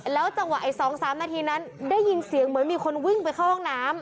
จังหวะไอ้๒๓นาทีนั้นได้ยินเสียงเหมือนมีคนวิ่งไปเข้าห้องน้ำ